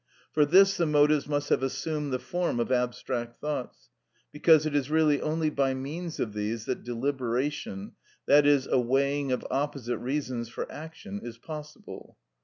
For this the motives must have assumed the form of abstract thoughts, because it is really only by means of these that deliberation, i.e., a weighing of opposite reasons for action, is possible.